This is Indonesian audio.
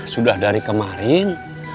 sudah dari kemarin